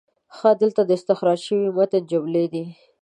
ښه، دلته د استخراج شوي متن جملې دي: